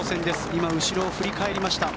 今、後ろを振り返りました。